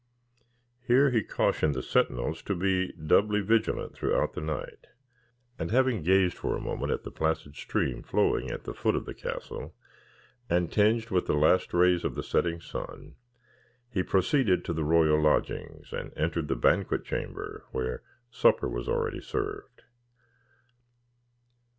Here he cautioned the sentinels to be doubly vigilant throughout the night, and having gazed for a moment at the placid stream flowing at the foot of the castle, and tinged with the last rays of the setting sun, he proceeded to the royal lodgings, and entered the banquet chamber, where supper was already served.